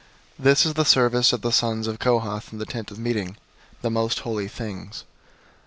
004:004 This is the service of the sons of Kohath in the Tent of Meeting, the most holy things.